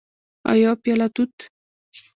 او یوه پیاله توت